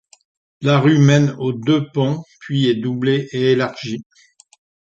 La rue mène aux deux ponts, puis est doublée et élargie.